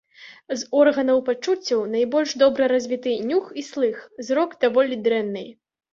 З органаў пачуццяў найбольш добра развіты нюх і слых, зрок даволі дрэнны.